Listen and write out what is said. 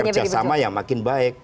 kerjasama yang makin baik